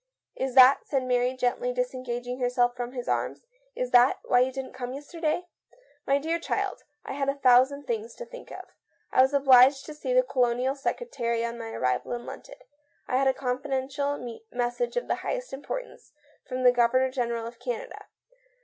" Is that," said Mary, gently disengaging herself from his arms, "is that — why you didn't come yesterday ?"" My dear child, I had a thousand things to think of. I was obliged to see the Colonial Secretary on my arrival in London. I had a confidential message of the highest impor tance from the Governor General of Canada."